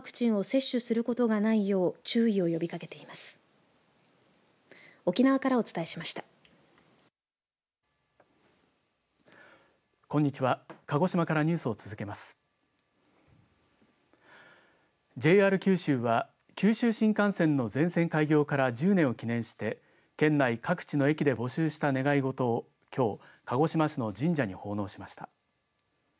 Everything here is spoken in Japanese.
ＪＲ九州は九州新幹線の全線開業から１０年を記念して県内各地の駅で募集した願いごとをきょう、鹿児島市の神社に奉納しました。